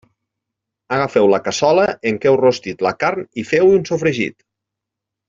Agafeu la cassola en què heu rostit la carn i feu-hi un sofregit.